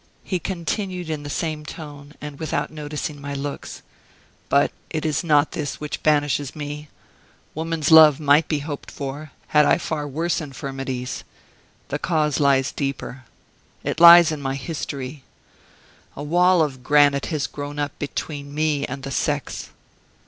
He continued in the same tone, and without noticing my looks. "But it is not this which banishes me. Woman's love might be hoped for, had I far worse infirmities. The cause lies deeper. It lies in my history. A wall of granite has grown up between me and the sex."